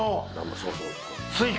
そう、そう。